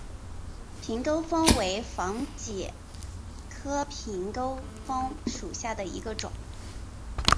秤钩风为防己科秤钩风属下的一个种。